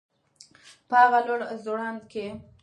په هغه لوړ ځوړند کي